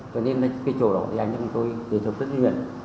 cho nên cái chỗ đó thì anh và tôi đề thập rất nguyện